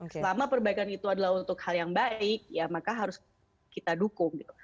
selama perbaikan itu adalah untuk hal yang baik ya maka harus kita dukung gitu